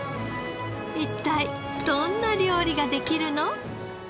一体どんな料理ができるの？